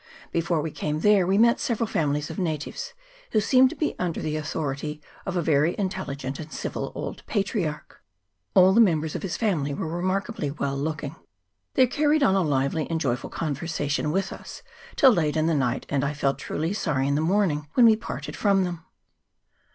Before we came there we met several families of natives, who seem to be under the au thority of a very intelligent and civil old patriarch. All the members of his family were remarkably well looking. They carried on a lively and joyful conversation with us till late in the night, and I felt truly sorry in the morning when we parted from them.